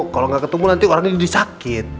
kalo ga ketemu nanti orangnya jadi sakit